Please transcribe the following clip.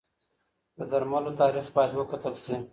د درملو تاریخ باید وکتل شي.